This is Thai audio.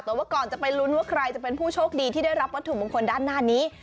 แต่ว่าก่อนจะไปลุ้นว่าใครจะเป็นผู้โชคดีที่ได้รับวัตถุมงคลด้านหน้านี้